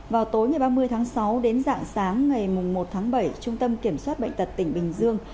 vào tối ngày ba mươi tháng sáu đến dạng sáng ngày một tháng bảy trung tâm kiểm soát bệnh tật tỉnh bình dương